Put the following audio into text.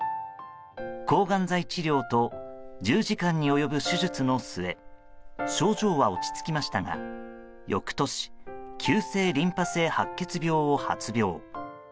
抗がん剤治療と１０時間に及ぶ手術の末症状は落ち着きましたが、翌年急性リンパ性白血病を発病。